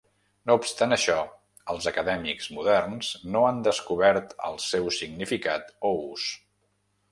No obstant això, els acadèmics moderns no han descobert el seu significat o ús.